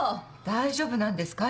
大丈夫なんですか？